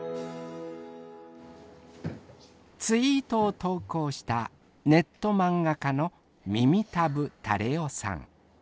ツイートを投稿したネット漫画家のみみたぶタレ代さん。